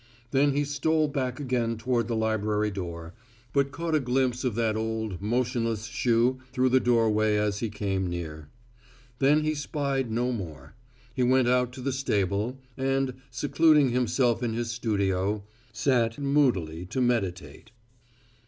Then he stole back again toward the library door, but caught a glimpse of that old, motionless shoe through the doorway as he came near. Then he spied no more. He went out to the stable, and, secluding himself in his studio, sat moodily to meditate.